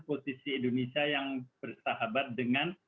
posisi indonesia yang bersahabat dengan